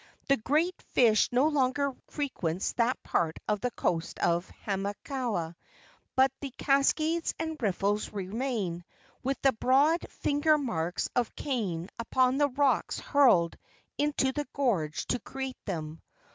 The great fish no longer frequents that part of the coast of Hamakua, but the cascades and riffles remain, with the broad finger marks of Kane upon the rocks hurled into the gorge to create them.